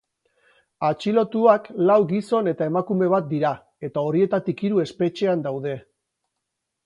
Atxilotuak lau gizon eta emakume bat dira, eta horietatik hiru espetxean daude.